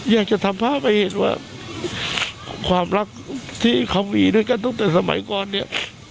อยากจะทำภาพให้เห็นว่าความรักที่เขามีด้วยกันตั้งแต่สมัยก่อนเนี่ย